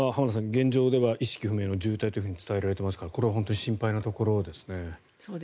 現状では意識不明の重体と伝えられていますからこれは本当に心配なところですね。